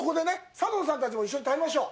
佐藤さんたちも一緒に食べましょう。